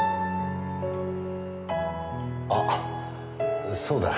あっそうだ。